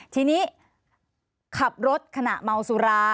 ทีนี้ขับรถขณะเมาสุรา